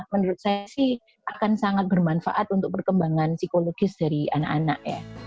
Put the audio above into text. menurut saya sih akan sangat bermanfaat untuk perkembangan psikologis dari anak anak ya